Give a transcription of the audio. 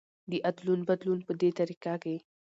د ادلون بدلون په دې طريقه کې